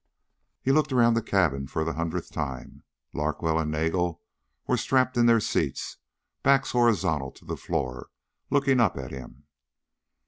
He looked around the cabin for the hundredth time. Larkwell and Nagel were strapped in their seats, backs horizontal to the floor, looking up at him.